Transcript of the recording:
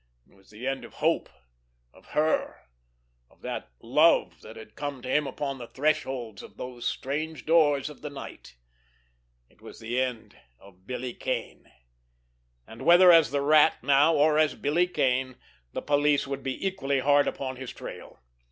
It was the end of hope—of her—of that love that had come to him upon the thresholds of these strange doors of the night. It was the end of Billy Kane! And whether as the Rat now, or as Billy Kane, the police would be equally hard upon his trail.